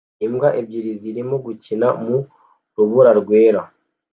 Imbwa ebyiri zirimo gukina mu rubura rwera